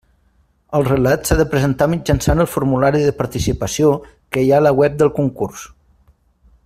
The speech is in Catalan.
El relat s'ha de presentar mitjançant el formulari de participació que hi ha a la web del concurs.